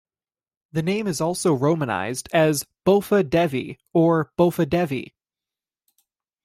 The name is also romanised as 'Bopha Devi or 'Bophadevi.